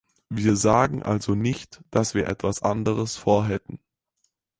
Wir sagen also nicht, dass wir etwas anderes vorhätten.